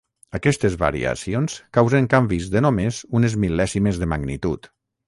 Aquestes variacions causen canvis de només unes mil·lèsimes de magnitud.